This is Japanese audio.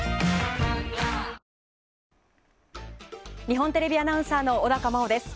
日本テレビアナウンサーの小高茉緒です。